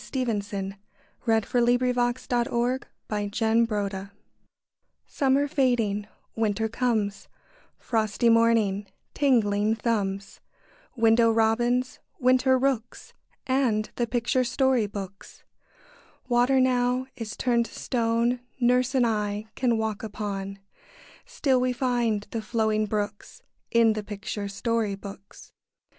PICTURE BOOKS IN WINTER Summer fading, winter comes Frosty mornings, tingling thumbs, Window robins, winter rooks, And the picture story books. Water now is turned to stone Nurse and I can walk upon; Still we find the flowing brooks In the picture story books.